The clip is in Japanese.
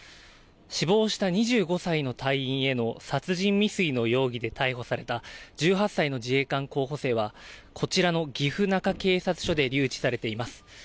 死亡した２５歳の隊員への殺人未遂の容疑で逮捕された１８歳の自衛官候補生は、こちらの岐阜中警察署で留置されています。